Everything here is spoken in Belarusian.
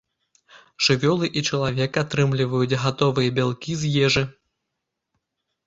Жывёлы і чалавек атрымліваюць гатовыя бялкі з ежы.